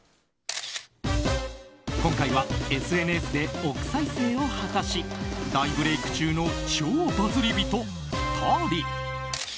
今回はＳＮＳで億再生を果たし大ブレーク中の超バズり人、２人。